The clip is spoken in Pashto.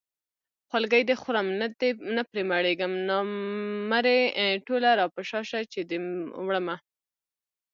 خولګۍ دې خورم نه پرې مړېږم نامرې ټوله راپشا شه چې دې وړمه